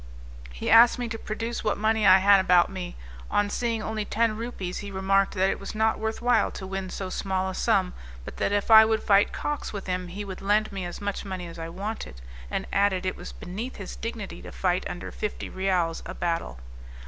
He asked me to produce what money I had about me; on seeing only ten rupees, he remarked that it was not worth while to win so small a sum, but that if I would fight cocks with him he would lend me as much money as I wanted, and added it was beneath his dignity to fight under fifty reals a battle.